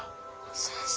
先生。